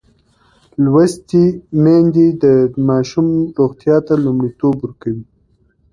لوستې میندې د ماشوم روغتیا ته لومړیتوب ورکوي.